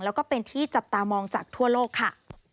แล้วก็เป็นที่จับตามองจากทั่วโลกค่ะ